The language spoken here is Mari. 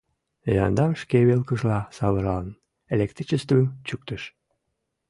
Яндам шке велкыжла савыралын, электричествым чӱктыш.